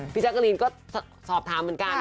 แจ๊กกะรีนก็สอบถามเหมือนกัน